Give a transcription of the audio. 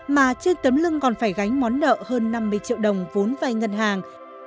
mà trên tấm lưng còn phải gánh món nợ hơn năm mươi triệu đồng vốn vay ngân hàng